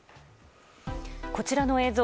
こちらの映像。